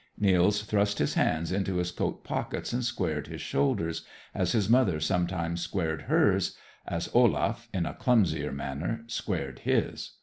Nils thrust his hands into his coat pockets and squared his shoulders, as his mother sometimes squared hers, as Olaf, in a clumsier manner, squared his.